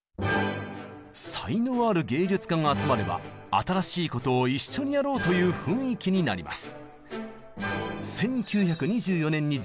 才能ある芸術家が集まれば新しいことを一緒にやろうという雰囲気になります。